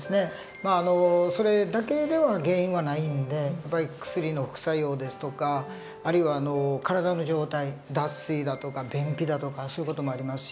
まあそれだけでは原因はないんでやっぱり薬の副作用ですとかあるいは体の状態脱水だとか便秘だとかそういう事もありますし。